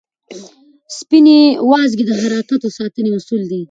سپینې وازګې د حرکاتو د ساتنې مسؤل دي.